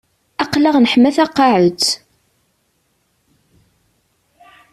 Aql-aɣ neḥma taqaɛet.